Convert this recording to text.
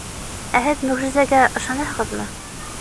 — Ә һеҙ мөғжизәгә ышанаһығыҙмы?